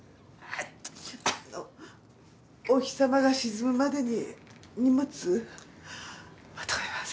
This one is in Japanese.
あのお日様が沈むまでに荷物まとめます。